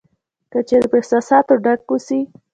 که چېرې په احساساتو ډک اوسې .